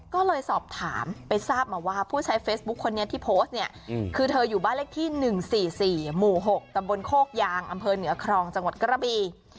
ก็เลยสอบถามไปทราบมาว่าผู้ใช้เฟซบุ๊คคนนี้ที่โพสต์เนี่ยคือเธออยู่บ้านเลขที่๑๔๔หมู่๖ตำบลโคกยางอำเภอเหนือครองจังหวัดกระบี